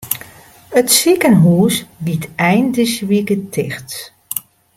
It sikehús giet ein dizze wike ticht.